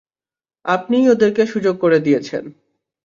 আপনিই ওদেরকে সুযোগ করে দিয়েছেন!